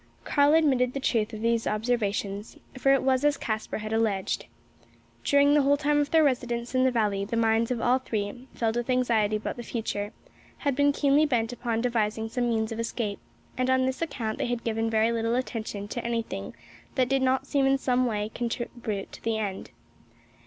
Karl admitted the truth of these observations; for it was as Caspar had alleged. During the whole time of their residence in the valley, the minds of all three, filled with anxiety about the future, had been keenly bent upon devising some means of escape; and on this account they had given very little attention to anything that did not in some way contribute to that end.